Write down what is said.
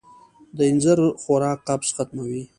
د اینځر خوراک قبض ختموي.